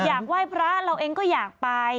อยากไหว้พระเราเองก็อยากไป